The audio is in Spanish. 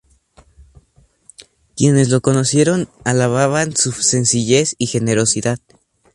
Quienes lo conocieron alababan su sencillez y generosidad.